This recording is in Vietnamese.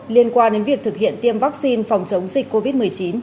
liên quan đến việc thực hiện tiêm vaccine phòng chống dịch covid một mươi chín